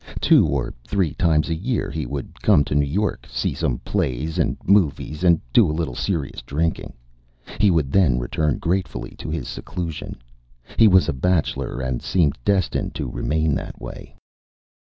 Two or three times a year, he would come to New York, see some plays and movies, and do a little serious drinking. He would then return gratefully to his seclusion. He was a bachelor and seemed destined to remain that way.